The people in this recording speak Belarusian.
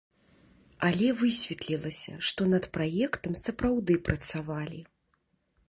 Але высветлілася, што над праектам сапраўды працавалі.